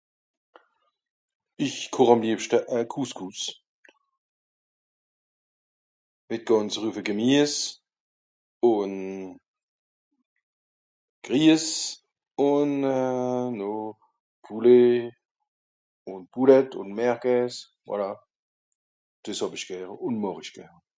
isch Kòch àm liebschte a Couscous mit gànz à rüffe Gemiess ùn Gries ùn nò Poulet ùn Boulettes ùn Merguez euh voilà des haw'isch gern ùn màch'isch gern